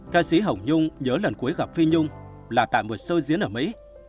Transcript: ca sĩ hồng nhung nhớ lần cuối gặp phi nhung là tại một sơ diễn ở mỹ